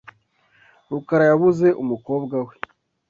rukara yabuze umukobwa we .